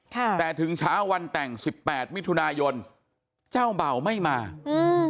ค่ะแต่ถึงเช้าวันแต่งสิบแปดมิถุนายนเจ้าเบ่าไม่มาอืม